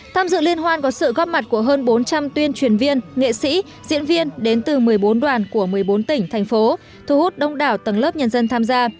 tham dự liên hoan có sự góp mặt của hơn bốn trăm linh tuyên truyền viên nghệ sĩ diễn viên đến từ một mươi bốn đoàn của một mươi bốn tỉnh thành phố thu hút đông đảo tầng lớp nhân dân tham gia